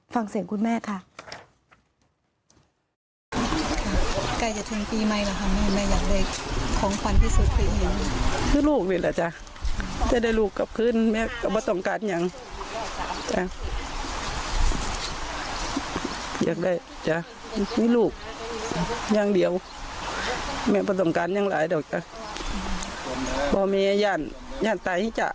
ฟังเสียงคุณแม่ค่ะ